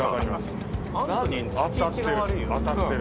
当たってる当たってる。